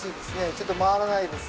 ちょっと回らないです。